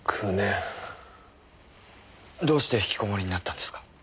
どうして引きこもりになったんですか？